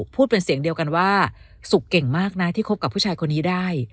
พูดเป็นเสียงเดียวกันว่าสุขเก่งมากนะที่คบกับผู้ชายคนนี้ได้